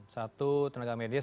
satu tenaga medis